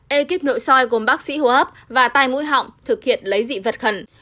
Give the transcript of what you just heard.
ekip nội soi gồm bác sĩ hô hấp và tai mũi họng thực hiện lấy dị vật khẩn